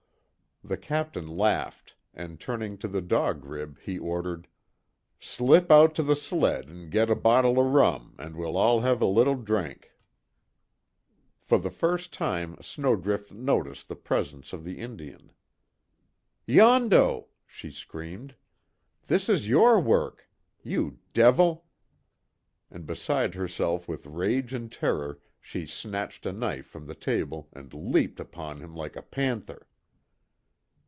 The Captain laughed, and turning to the Dog Rib, he ordered: "Slip out to the sled an' git a bottle o' rum, an' we'll all have a little drink." For the first time Snowdrift noticed the presence of the Indian. "Yondo!" she screamed, "This is your work! You devil!" and beside herself with rage and terror, she snatched a knife from the table and leaped upon him like a panther.